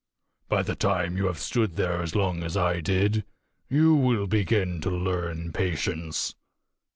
By the time you have stood there as long as I did you will begin to learn patience."